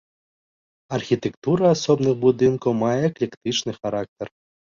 Архітэктура асобных будынкаў мае эклектычны характар.